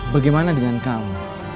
bagaimana dengan kamu